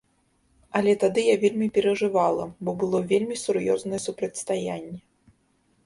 Але тады я вельмі перажывала, бо было вельмі сур'ёзнае супрацьстаянне.